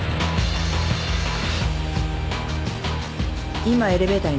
今エレベーターに乗った。